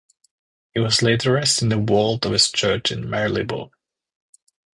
He was laid to rest in the vault of his church in Marylebone.